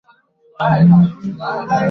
海马克斯和梦魇病毒的出处！